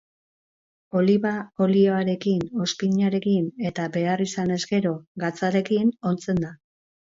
Oliba olioarekin, ozpinarekin, eta, behar izanez gero, gatzarekin ontzen da.